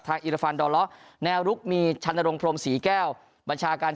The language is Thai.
ทางอิรฟันดอลล้อแน่ลุกมีชันตรงโพรมสี่แก้วบัญชาการ